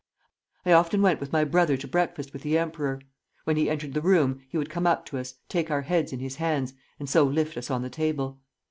I often went with my brother to breakfast with the emperor. When he entered the room, he would come up to us, take our heads in his hands, and so lift us on the table.